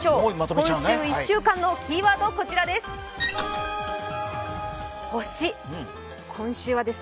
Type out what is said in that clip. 今週１週間のキーワード、星です。